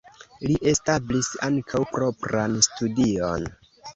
Li establis ankaŭ propran studion.